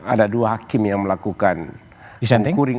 ada dua hakim yang melakukan